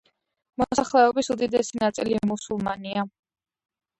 მოსახლეობის უდიდესი ნაწილი მუსულმანია.